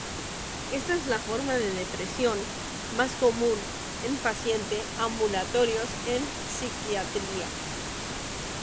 Esta es la forma de depresión más común en paciente ambulatorios en psiquiatría.